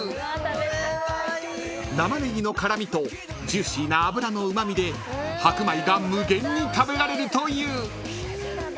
［生ネギの辛味とジューシーな脂のうま味で白米が無限に食べられるという］